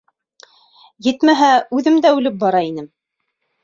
Етмәһә, үҙем дә үлеп бара инем.